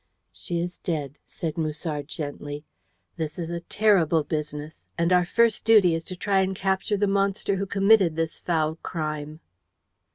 "She is dead," said Musard gently. "This is a terrible business, and our first duty is to try and capture the monster who committed this foul crime."